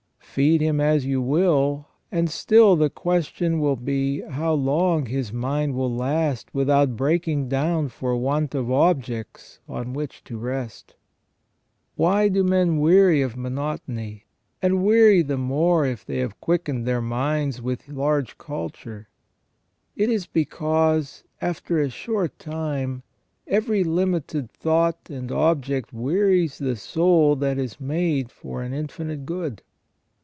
Feed him as you will, and still the question will be how long his mind will last without breaking down for want of objects on which to rest. Why do men weary of monotony, and weary the more if they have quickened their minds with large culture ? It is because after a short time every limited thought and object wearies the soul that is made for an infinite good.